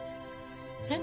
えっ？